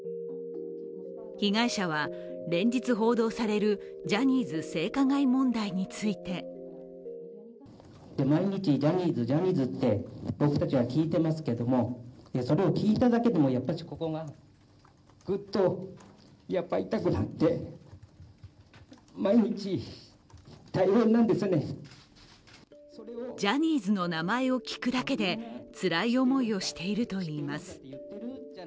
被害者は連日報道されるジャニーズ性加害問題についてジャニーズの名前を聞くだけでつらい思いをしているといいます。